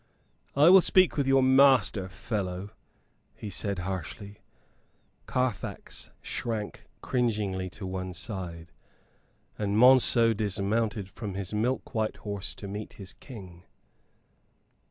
"I will speak with your master, fellow," he said, harshly. Carfax shrank cringingly to one side, and Monceux dismounted from his milk white horse to meet his King.